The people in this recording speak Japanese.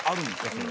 それ。